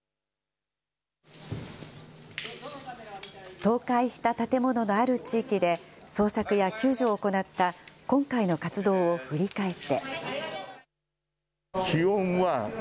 倒壊した建物のある地域で、捜索や救助を行った今回の活動を振り返って。